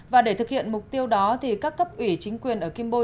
và để thực hiện mục tiêu đó thì các cấp ủy chính quyền ở kim bôi